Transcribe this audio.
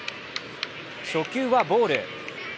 初球はボール。